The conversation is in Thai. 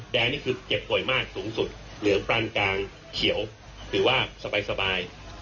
นี่คือเจ็บป่วยมากสูงสุดเหลืองปรานกลางเขียวถือว่าสบาย